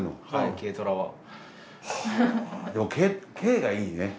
軽がいいね。